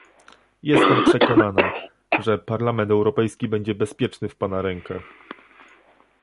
Jestem przekonana, że Parlament Europejski będzie bezpieczny w pana rękach